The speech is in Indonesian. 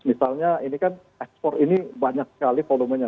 misalnya ini kan ekspor ini banyak sekali volumenya